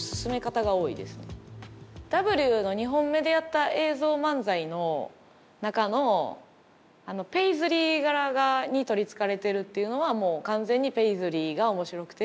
「Ｗ」の２本目でやった映像漫才の中のペイズリー柄に取りつかれてるっていうのはもう完全にペイズリーが面白くて。